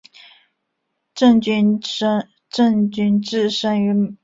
郑君炽生于香港。